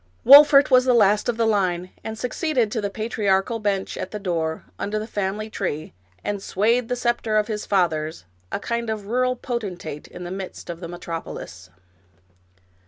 Wolfert was the last of the line, and succeeded to the patri archal bench at the door, under the family tree, and swayed the scepter of his fathers, — a kind of rural potentate in the midst of the metropolis.